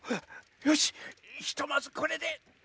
よしひとまずこれで。